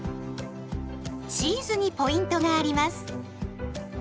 チーズにポイントがあります。